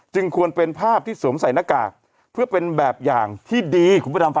จึงควรเป็นภาพที่สวมใส่หน้ากากเพื่อเป็นแบบอย่างที่ดี